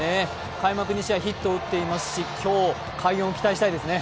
開幕２試合ヒットを打っていますし今日快音期待したいですね。